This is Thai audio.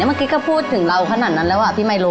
เมื่อกี้ก็พูดถึงเราขนาดนั้นแล้วอ่ะพี่ไม่รู้